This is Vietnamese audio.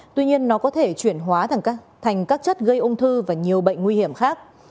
tuy nhiên nó có thể chuyển hóa thành các chất gây ung thư và nhiều bệnh nguy hiểm khác